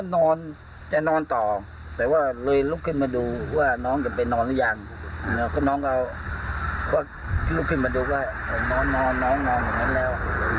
น้องก็ลุกขึ้นมาดูว่าน้องนอนน้องนอนอย่างนั้นแล้ว